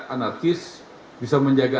anarkis bisa menjaga